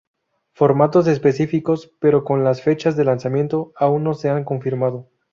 Formatos específicos pero con las fechas de lanzamiento aún no se han confirmado.